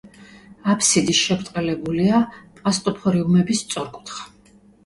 აფსიდი შებრტყელებულია, პასტოფორიუმები სწორკუთხა.